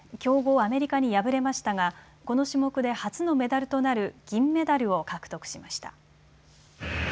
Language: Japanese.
アメリカに敗れましたが、この種目で初のメダルとなる銀メダルを獲得しました。